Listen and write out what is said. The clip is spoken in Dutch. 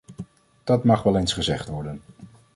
Dat mag wel eens gezegd worden.